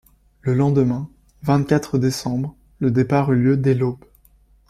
Le lendemain, vingt-quatre décembre, le départ eut lieu dès l’aube.